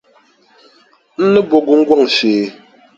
N ni bo gungɔŋ shee.